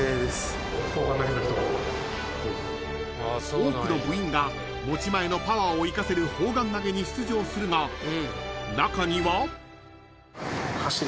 ［多くの部員が持ち前のパワーを生かせる砲丸投げに出場するが中には］